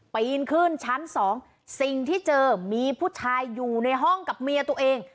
ปีนขึ้นชั้นสองสิ่งที่เจอมีผู้ชายอยู่ในห้องกับเมียตัวเอง